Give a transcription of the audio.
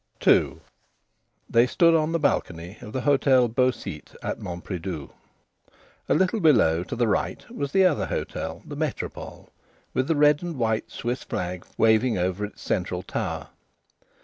II They stood on the balcony of the Hôtel Beau Site of Mont Pridoux. A little below, to the right, was the other hotel, the Métropole, with the red and white Swiss flag waving over its central tower.